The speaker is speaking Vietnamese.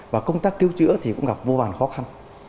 và công tác cứu chữa thì cũng gặp vô vàn khó khăn